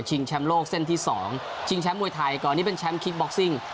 แชมป์โลกเส้นที่๒ชิงแชมป์มวยไทยก่อนนี้เป็นแชมป์คิกบ็อกซิ่ง